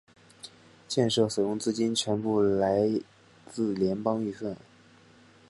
建设所用资金全部来自联邦预算。